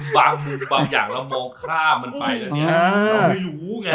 ถ้าบางมือบางอย่างแล้วมองข้ามันไปแหละเนี่ย